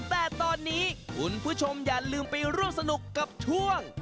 แต่ตอนนี้คุณผู้ชมอย่าลืมไปร่วมสนุกกับช่วง